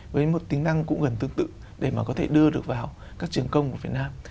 với một tính năng cũng gần tương tự để mà có thể đưa được vào các trường công của việt nam